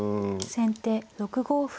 先手６五歩。